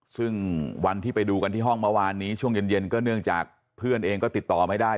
ซึ่งวันที่ไปดูกันที่ห้องเมื่อวานนี้ช่วงเย็นก็เนื่องจากเพื่อนเองก็ติดต่อไม่ได้